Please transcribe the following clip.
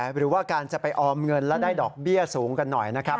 หรือว่าการจะไปออมเงินและได้ดอกเบี้ยสูงกันหน่อยนะครับ